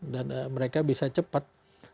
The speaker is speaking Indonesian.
dan mereka bisa cepat